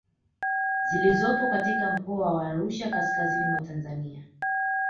zilizopo katika mkoa wa Arusha kaskazizini mwa Tanzania